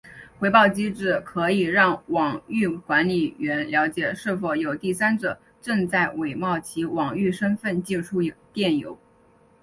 回报机制可以让网域管理员了解是否有第三者正在伪冒其网域身份寄出电邮。